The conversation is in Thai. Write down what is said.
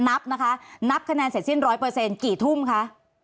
นับนะคะนับคะแนนเสร็จสิ้นร้อยเปอร์เซ็นต์กี่ทุ่มคะ